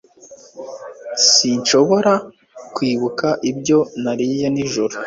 S Sinshobora kwibuka ibyo nariye nijoro